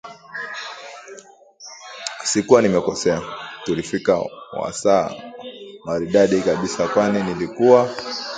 Sikuwa nimekosea, tulifika wasaa maridadi kabisa kwani nilikuwa